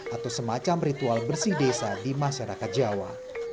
atau semacam ritual bersih desa di masyarakat jawa